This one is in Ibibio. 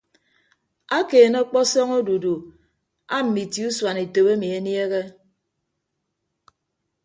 Akeene ọkpọsọñ odudu aamme itie usuan etop emi eniehe.